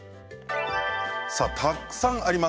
たくさんあります。